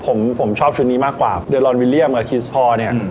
ผมผมชอบชุดนี้มากกว่าเดลรอนวิลเลียมกับคิสพอเนี่ย